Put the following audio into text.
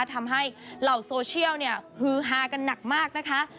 ทำให้เหล่าโซเชียลเนี่ยฮือฮากันหนักมากนะคะ